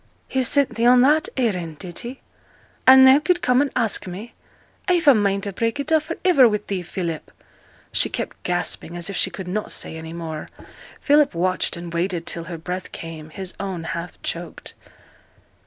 'He sent thee on that errand, did he? And thou could come and ask me? I've a mind to break it off for iver wi' thee, Philip.' She kept gasping, as if she could not say any more. Philip watched and waited till her breath came, his own half choked.